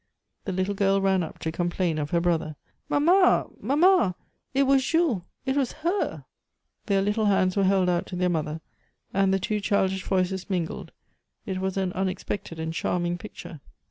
The little girl ran up to complain of her brother. "Mamma!" "Mamma!" "It was Jules " "It was her " Their little hands were held out to their mother, and the two childish voices mingled; it was an unexpected and charming picture.